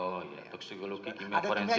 oh ya toksikologi kimia forensik